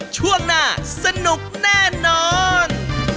ช่วงหน้าสนุกแน่นอน